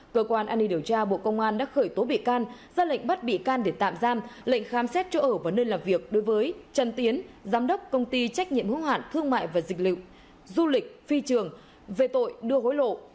cơ quan an ninh điều tra bộ công an đã khởi tố bị can ra lệnh bắt bị can để tạm giam lệnh khám xét chỗ ở và nơi làm việc đối với trần tiến giám đốc công ty trách nhiệm hữu hạn thương mại và dịch vụ du lịch phi trường về tội đưa hối lộ